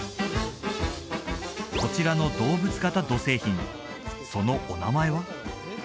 こちらの動物形土製品そのお名前は？